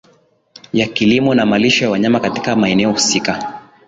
ya kilimo na malisho ya wanyama Katika maeneo husika